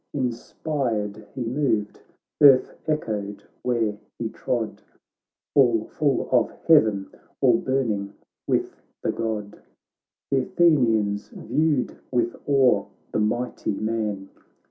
Inspired he moved, earth echoed where he trod. All full of Heaven, all burning with the God. Th' Athenians viewed with awe the mighty man.